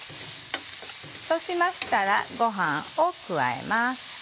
そうしましたらごはんを加えます。